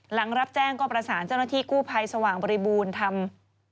หลังรับแจ้งก็ประสานเจ้าหน้าที่กู้ภัยสว่างบริบูรณ์ธรรม